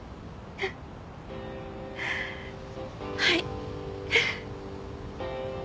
はい。